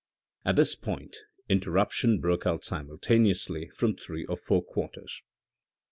At this point interruption broke out simultaneously from three or four quarters.